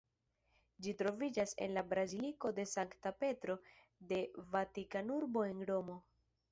Ĝi troviĝas en la Baziliko de Sankta Petro de Vatikanurbo en Romo.